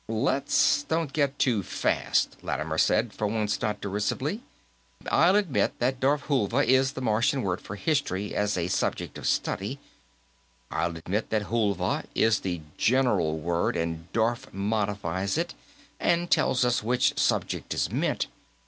"Let's don't go too fast," Lattimer said, for once not derisively. "I'll admit that darfhulva is the Martian word for history as a subject of study; I'll admit that hulva is the general word and darf modifies it and tells us which subject is meant.